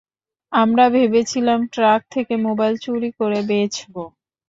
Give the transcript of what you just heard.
আমরা ভেবেছিলাম, ট্রাক থেকে মোবাইল চুরি করে বেচবো।